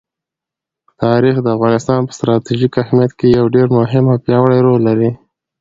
تاریخ د افغانستان په ستراتیژیک اهمیت کې یو ډېر مهم او پیاوړی رول لري.